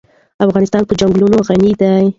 افغانستان په چنګلونه غني دی.